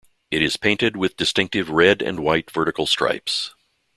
It is painted with distinctive red and white vertical stripes.